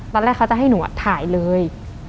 ตอนแรกเขาจะให้หนูถ่ายเลย